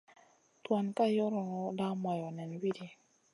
Tuan ka yoronu la moyo nen may widi.